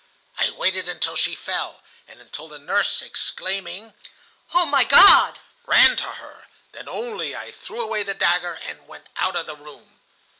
I waited until she fell, and until the nurse, exclaiming, 'Oh, my God!' ran to her; then only I threw away the dagger and went out of the room.